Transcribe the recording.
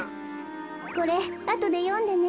これあとでよんでね。